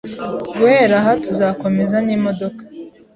Guhera aha, tuzakomeza n'imodoka.